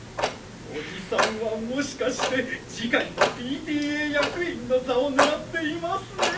おじさんはもしかして次回のＰＴＡ役員の座を狙っていますね。